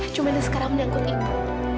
cuma ini sekarang menyangkut ibu